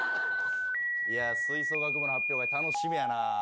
吹奏楽部の発表会、楽しみやな。